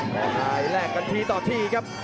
อภิวัตและแรกกันทีต่อทีครับ